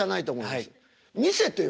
見せてよ